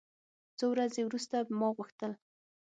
څو ورځې وروسته ما غوښتل.